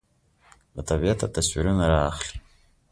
له طبیعته تصویرونه رااخلي